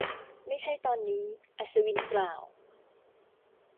ไม่ใช่ตอนนี้ อัศวินกล่าว